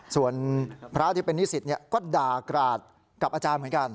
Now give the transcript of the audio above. ส่วนพระที่เป็นนิสิตก็ด่ากราดกับอาจารย์เหมือนกัน